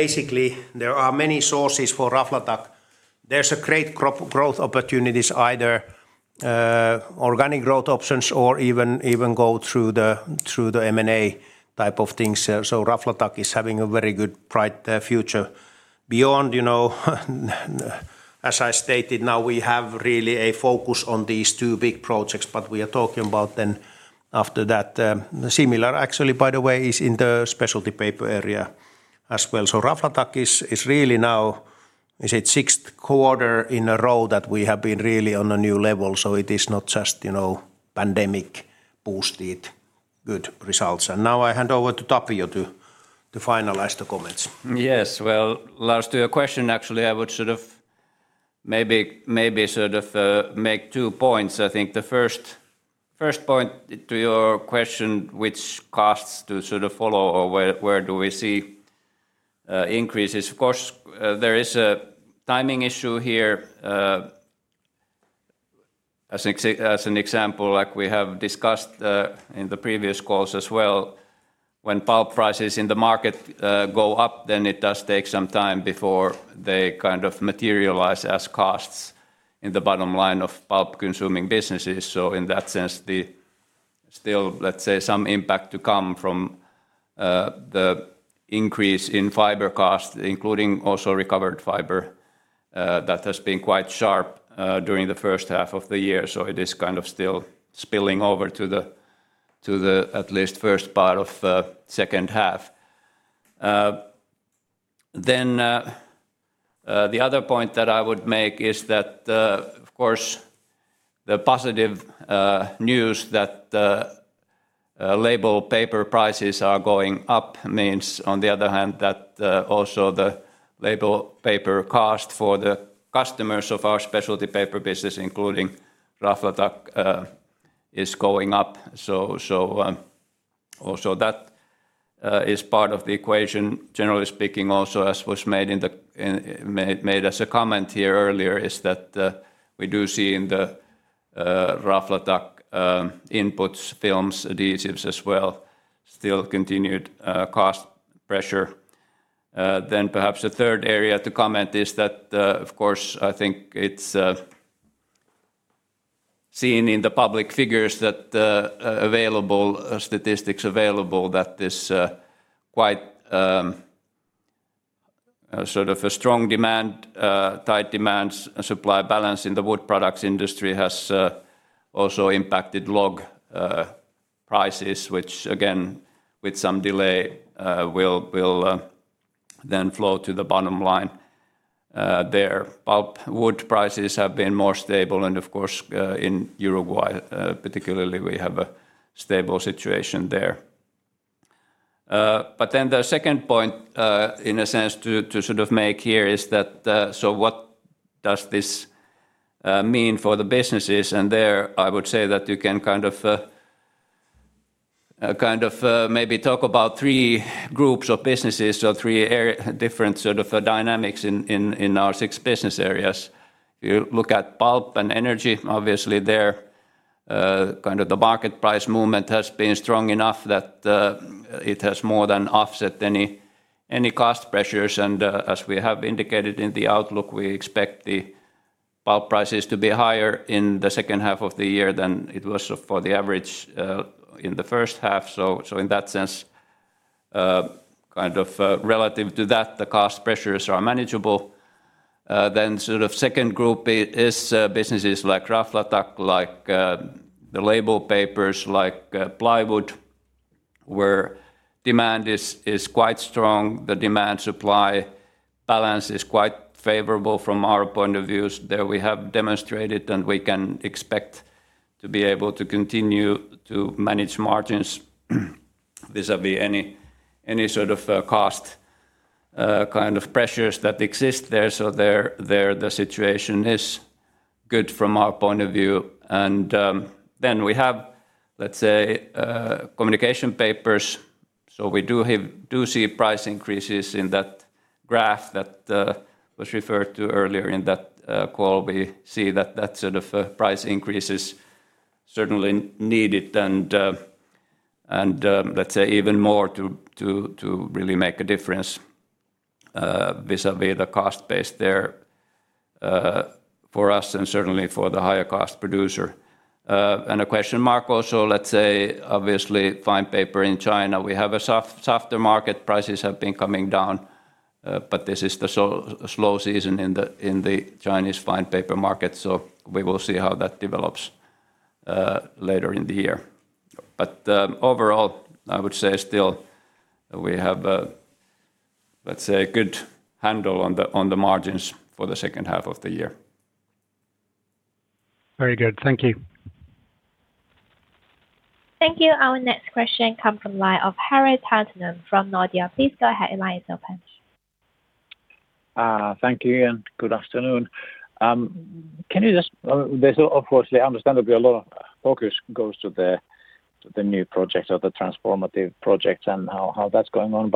Basically, there are many sources for Raflatac. There's great growth opportunities, either organic growth options or even go through the M&A type of things. Raflatac is having a very good, bright future. Beyond as I stated, now we have really a focus on these two big projects. We are talking about then after that. Similar actually, by the way, is in the Specialty Papers area as well. Raflatac is really now, is it sixth quarter in a row that we have been really on a new level, so it is not just COVID-19-boosted good results. Now, I hand over to Tapio to finalize the comments. Yes. Well, Lars, to your question, actually, I would maybe make two points. I think the first point to your question, which costs to follow or where do we see increases? Of course, there is a timing issue here. As an example, like we have discussed in the previous calls as well, when pulp prices in the market go up, then it does take some time before they materialize as costs in the bottom line of pulp-consuming businesses. In that sense, still, let's say, some impact to come from the increase in fiber cost, including also recovered fiber, that has been quite sharp during the first half of the year. It is still spilling over to the at least first part of second half. The other point that I would make is that, of course, the positive news that label paper prices are going up means on the other hand that also the label paper cost for the customers of our Specialty Papers business, including Raflatac is going up. Also that is part of the equation. Generally speaking also, as was made as a comment here earlier, is that we do see in the Raflatac inputs, films, adhesives as well, still continued cost pressure. Perhaps a third area to comment is that, of course, I think it's seen in the public figures, statistics available that this quite strong demand, tight demand, supply balance in the wood products industry has also impacted log prices, which again, with some delay, will then flow to the bottom line there. Pulpwood prices have been more stable, of course, in Uruguay particularly, we have a stable situation there. The second point, in a sense, to make here is that, what does this mean for the businesses? There I would say that you can maybe talk about three groups of businesses or three different dynamics in our six business areas. You look at pulp and energy, obviously there the market price movement has been strong enough that it has more than offset any cost pressures. As we have indicated in the outlook, we expect the pulp prices to be higher in the second half of the year than it was for the average in the first half. In that sense, relative to that, the cost pressures are manageable. Second group is businesses like Raflatac, like the label papers, like plywood, where demand is quite strong. The demand supply balance is quite favorable from our point of view. We have demonstrated, and we can expect to be able to continue to manage margins vis-a-vis any sort of cost pressures that exist there. There the situation is good from our point of view. We have communication papers, we do see price increases in that graph that was referred to earlier in that call. We see that that sort of price increase is certainly needed, let's say even more to really make a difference vis-a-vis the cost base there for us and certainly for the higher cost producer. A question mark also, let's say, obviously fine paper in China. We have a softer market. Prices have been coming down, but this is the slow season in the Chinese fine paper market, so we will see how that develops later in the year. Overall, I would say still we have a good handle on the margins for the second half of the year. Very good. Thank you. Thank you. Our next question come from line of Joni Sandvall from Nordea. Please go ahead. Thank you, and good afternoon. There's unfortunately, understandably, a lot of focus goes to the new projects or the transformative projects and how that's going on.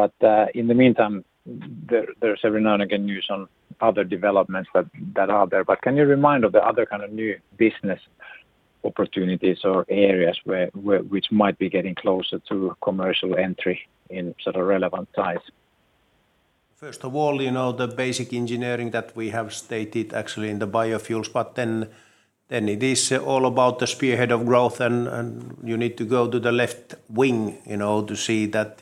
In the meantime, there's every now and again news on other developments that are there. Can you remind of the other kind of new business opportunities or areas which might be getting closer to commercial entry in relevant time? The basic engineering that we have stated actually in the biofuels. It is all about the spearhead of growth and you need to go to the left wing to see that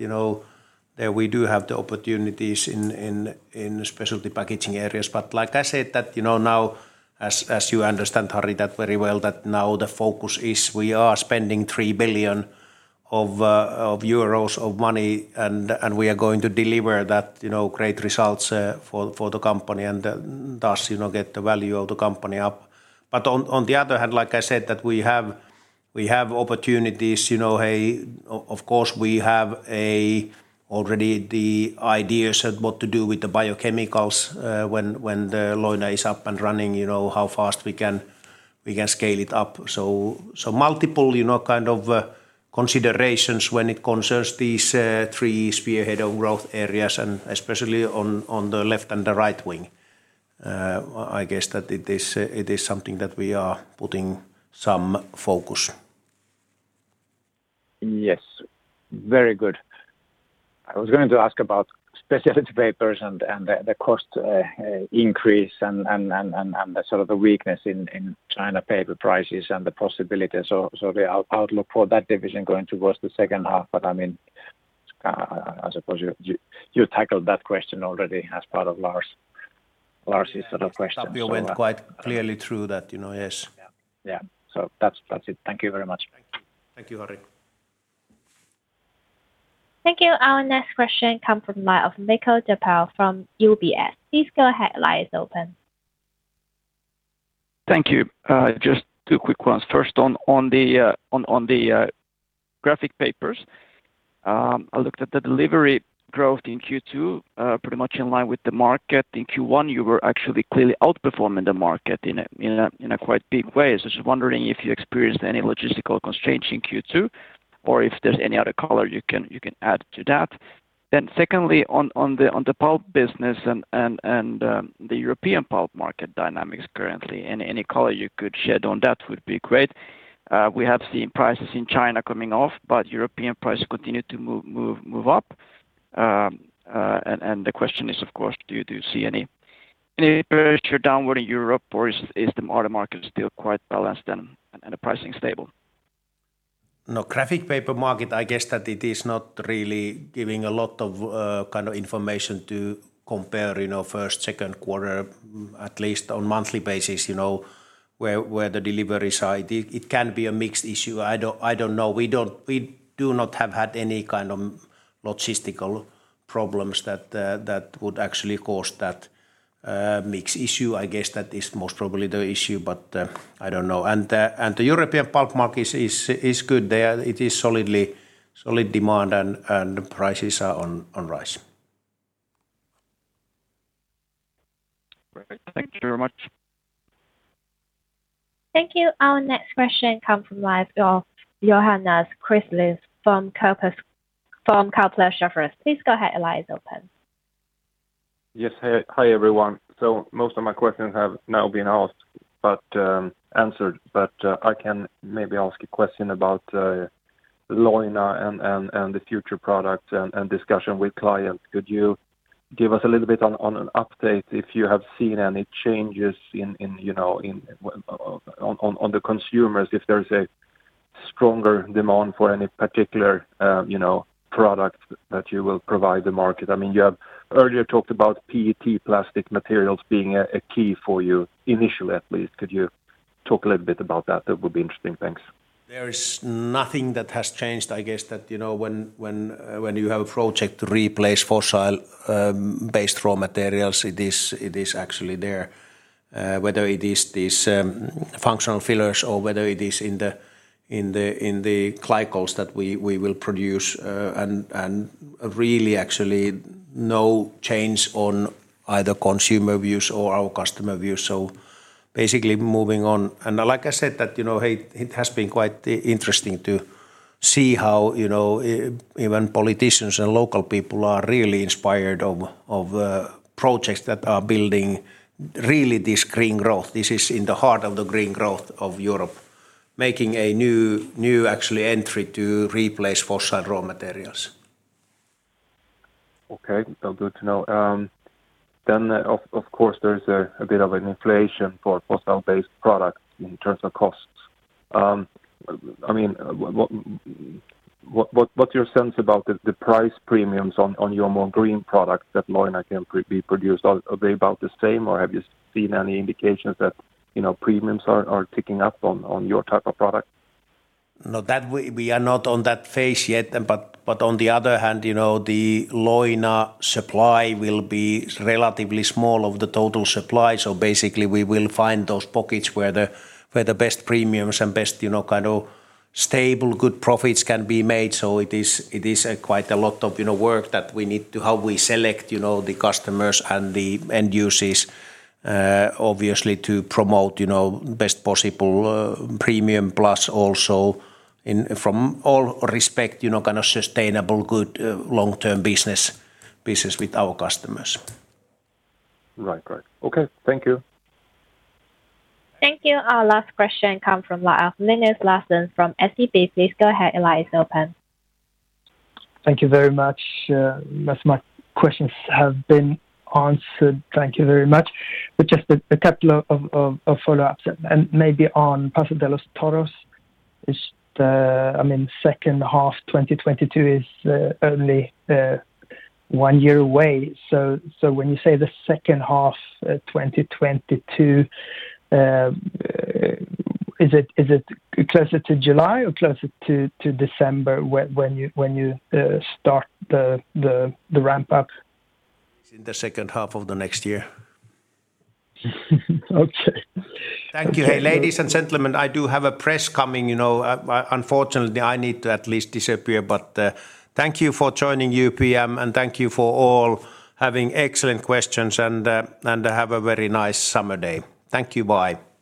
there we do have the opportunities in specialty packaging areas. Like I said, now as you understand, Joni, that very well that now the focus is we are spending 3 billion euros of money and we are going to deliver that great results for the company and thus get the value of the company up. On the other hand, like I said, that we have opportunities. Of course, we have already the ideas of what to do with the biochemicals when the Leuna is up and running, how fast we can scale it up. Multiple kind of considerations when it concerns these three spearhead of growth areas, and especially on the left and the right wing. I guess that it is something that we are putting some focus. Yes. Very good. I was going to ask about Specialty Papers and the cost increase and the sort of weakness in China paper prices and the possibility, the outlook for that division going towards the second half. I suppose you tackled that question already as part of Lars Kjellberg's sort of question. Tapio went quite clearly through that, yes. Yeah. That's it. Thank you very much. Thank you, Joni. Thank you. Our next question come from line of Andrew Jones from UBS. Please go ahead. Line is open. Thank you. Just two quick ones. First, on the graphic papers, I looked at the delivery growth in Q2, pretty much in line with the market. In Q1, you were actually clearly outperforming the market in a quite big way. Just wondering if you experienced any logistical constraints in Q2 or if there's any other color you can add to that. Secondly, on the pulp business and the European pulp market dynamics currently, any color you could shed on that would be great. We have seen prices in China coming off, but European prices continue to move up. The question is, of course, do you see any further downward in Europe, or is the market still quite balanced and the pricing stable? No, graphic paper market, I guess that it is not really giving a lot of information to compare first, second quarter, at least on monthly basis, where the delivery side. It can be a mixed issue. I don't know. We do not have had any kind of logistical problems that would actually cause that mixed issue. I guess that is most probably the issue, but I don't know. The European pulp market is good there. It is solid demand and prices are on rise. Perfect. Thank you very much. Thank you. Our next question comes from line of [Johannes Krisling] from Kepler Cheuvreux. Please go ahead. Line is open. Yes. Hi, everyone. Most of my questions have now been asked, but answered. I can maybe ask a question about Leuna and the future products and discussion with clients, could you give us a little bit on an update if you have seen any changes on the consumers, if there's a stronger demand for any particular product that you will provide the market? You have earlier talked about PET plastic materials being a key for you initially, at least. Could you talk a little bit about that? That would be interesting. Thanks. There is nothing that has changed. I guess that when you have a project to replace fossil-based raw materials, it is actually there, whether it is these functional fillers or whether it is in the glycols that we will produce. Really actually no change on either consumer views or our customer views. Basically moving on. Like I said, it has been quite interesting to see how even politicians and local people are really inspired of projects that are building really this green growth. This is in the heart of the green growth of Europe, making a new actually entry to replace fossil raw materials. Okay. Good to know. Of course there's a bit of an inflation for fossil-based products in terms of costs. What's your sense about the price premiums on your more green products that Leuna can be produced? Are they about the same, or have you seen any indications that premiums are ticking up on your type of product? No, we are not on that phase yet. On the other hand, the Leuna supply will be relatively small of the total supply. Basically we will find those pockets where the best premiums and best kind of stable, good profits can be made. It is quite a lot of work that we need to how we select the customers and the end users, obviously to promote best possible premium plus also from all respect, kind of sustainable, good long-term business with our customers. Right. Okay. Thank you. Thank you. Our last question come from Linus Larsson from SEB. Please go ahead, the line is open. Thank you very much. Most of my questions have been answered. Thank you very much. Just two follow-ups and maybe on Paso de los Toros, the second half 2022 is only one year away. When you say the second half 2022, is it closer to July or closer to December when you start the ramp up? It's in the second half of the next year. Okay. Thank you. Hey, ladies and gentlemen, I do have a press coming, unfortunately, I need to at least disappear. Thank you for joining UPM and thank you for all having excellent questions and have a very nice summer day. Thank you. Bye.